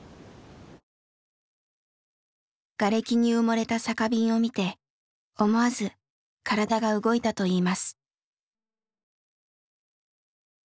ガレキに埋もれた酒瓶を見て思わず体が動いたといいます。